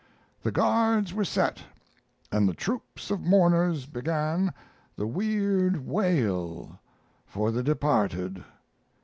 The guards were set and the troops of mourners began the weird wail for the departed.